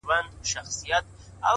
چي په كالو بانـدې زريـــن نه ســـمــه;